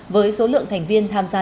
với số lượng thành viên tham gia lớn